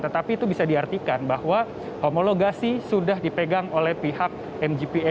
tetapi itu bisa diartikan bahwa homologasi sudah dipegang oleh pihak mgpa